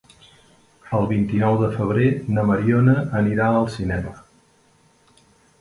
El vint-i-nou de febrer na Mariona anirà al cinema.